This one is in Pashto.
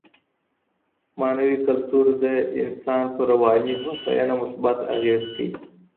معنوي کلتور د انسان پر رواني هوساينه مثبت اغېز کوي.